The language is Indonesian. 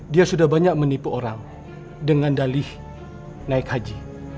dia sudah banyak menipu orang dengan dalih naik haji